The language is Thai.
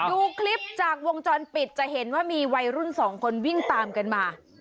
ดูคลิปจากวงจรปิดจะเห็นว่ามีวัยรุ่นสองคนวิ่งตามกันมา